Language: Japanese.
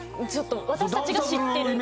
私たちが知ってる。